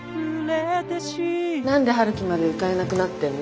何で陽樹まで歌えなくなってんの？